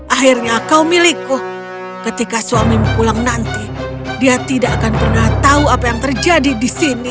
akhirnya kau milikku ketika suamimu pulang nanti dia tidak akan pernah tahu apa yang terjadi di sini